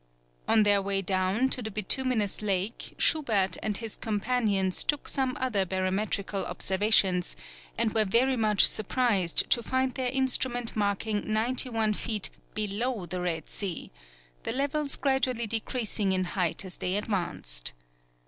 On their way down to the Bituminous Lake, Schubert and his companions took some other barometrical observations, and were very much surprised to find their instrument marking ninety one feet below the Red Sea, the levels gradually decreasing in height as they advanced.